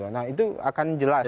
nah itu akan jelas